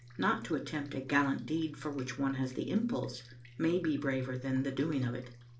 Not to attempt a gal lant deed for which one has the impulse, may be braver than the doing of it.